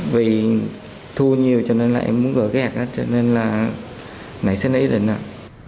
vì thu nhiều cho nên là em muốn gửi cái hạt đó cho nên là này sẽ lấy được